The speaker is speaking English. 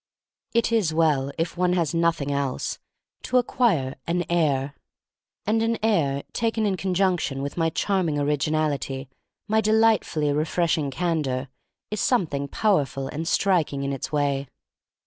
It is well, if one has nothing else, to acquire an air. And an air taken in conjunction with my charming origin ality, my delightfully refreshing candor, 59 6o THE STORY OF MARY MAC LANE is something powerful and striking in its way.